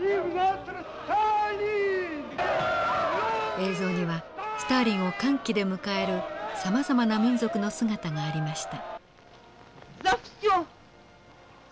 映像にはスターリンを歓喜で迎えるさまざまな民族の姿がありました。